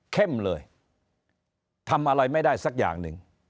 เลยทำอะไรไม่ได้สักอย่างหนึ่ง